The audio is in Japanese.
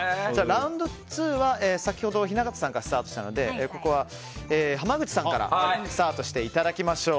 ラウンド２は先ほど雛形さんからスタートしたのでここは濱口さんからスタートしていただきましょう。